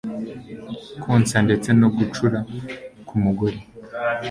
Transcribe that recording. konsa ndetse no gucura k'umugore